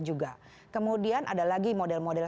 juga kemudian ada lagi model model